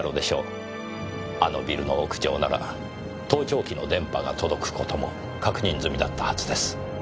あのビルの屋上なら盗聴器の電波が届く事も確認済みだったはずです。